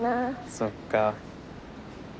そっか。